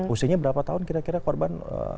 usianya berapa tahun kira kira korban